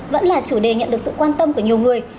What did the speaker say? vẫn là chủ đề nhận được sự quan tâm của nhiều người